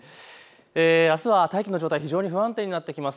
あすも大気の状態不安定になってきます。